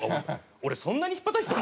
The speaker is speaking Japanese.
俺そんなにひっぱたいてた？